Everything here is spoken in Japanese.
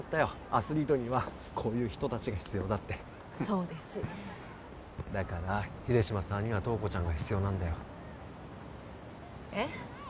アスリートにはこういう人たちが必要だってそうですだから秀島さんには塔子ちゃんが必要なんだよえっ？